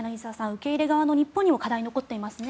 受け入れ側の日本にも課題が残っていますね。